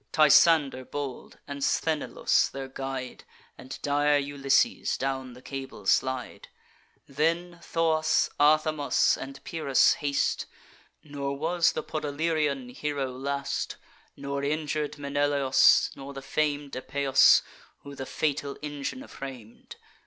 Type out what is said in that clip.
Tysander bold, and Sthenelus their guide, And dire Ulysses down the cable slide: Then Thoas, Athamas, and Pyrrhus haste; Nor was the Podalirian hero last, Nor injur'd Menelaus, nor the fam'd Epeus, who the fatal engine fram'd.